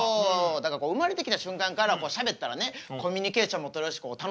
だから生まれてきた瞬間からしゃべったらねコミュニケーションも取れるし楽しそうやなと思うのよね。